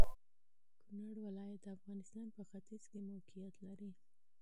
کونړ ولايت د افغانستان په ختيځ کې موقيعت لري.